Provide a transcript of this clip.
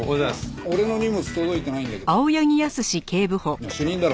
いや主任だろ。